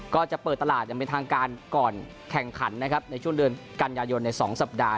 ก็จะเปิดตลาดอย่างเป็นทางการก่อนแข่งขันนะครับในช่วงเดือนกันยายนใน๒สัปดาห